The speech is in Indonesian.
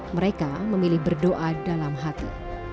mereka memilih berdoa dalam hati